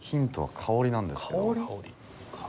香り。